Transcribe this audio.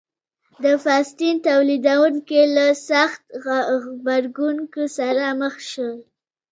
د فاسټین تولیدوونکو له سخت غبرګون سره مخ شول.